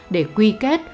để quy kết